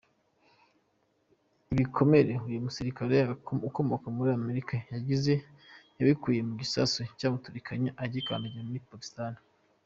Ibikomere uyu musirikare ukomoka muri Amerika yagize yabikuye ku gisasu cyamuturikanye agikandagiye muri Afghanistan.